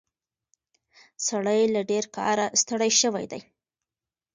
سړی له ډېر کاره ستړی شوی دی.